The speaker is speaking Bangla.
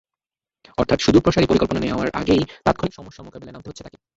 অর্থাৎ সুদূরপ্রসারী পরিকল্পনা নেওয়ার আগেই তাৎক্ষণিক সমস্যা মোকাবিলায় নামতে হচ্ছে তাঁকে।